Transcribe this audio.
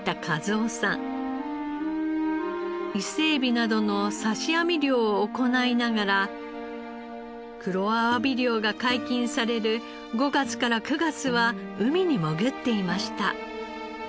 イセエビなどの刺し網漁を行いながら黒あわび漁が解禁される５月から９月は海に潜っていました。